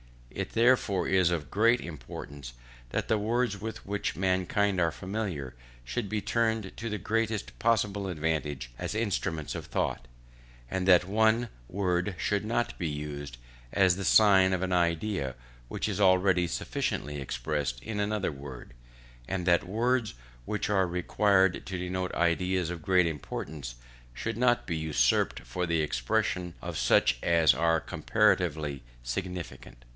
It therefore is of great importance that the words with which mankind are familiar, should be turned to the greatest possible advantage as instruments of thought; that one word should not be used as the sign of an idea which is already sufficiently expressed by another word; and that words which are required to denote ideas of great importance, should not be usurped for the expression of such as are comparatively insignificant.